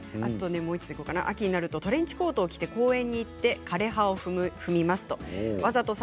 秋になるとトレンチコートを着て公園に行って枯れ葉を踏みます。